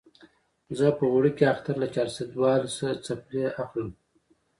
زه به وړوکي اختر له چارسدوالې څپلۍ اخلم